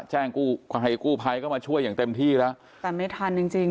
กู้ภัยกู้ภัยก็มาช่วยอย่างเต็มที่แล้วแต่ไม่ทันจริงจริง